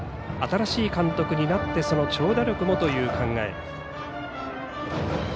新しい監督になって長打力もという考え。